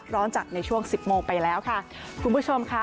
ร้อนจัดในช่วงสิบโมงไปแล้วค่ะคุณผู้ชมค่ะ